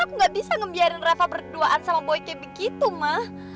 aku gak bisa ngebiarin reva berduaan sama boy kayak begitu ma